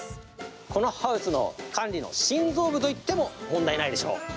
このハウスの管理の心臓部といっても問題ないでしょう。